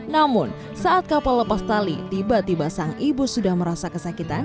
namun saat kapal lepas tali tiba tiba sang ibu sudah merasa kesakitan